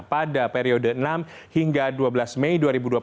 pada periode enam hingga dua belas mei dua ribu dua puluh satu